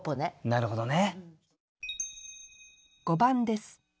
なるほどね。